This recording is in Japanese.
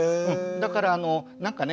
だからなんかね